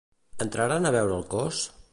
Entraran a veure el cos?